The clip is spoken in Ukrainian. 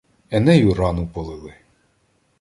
Енею рану полили.